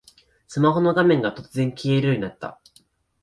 スマホの画面が突然消えるようになった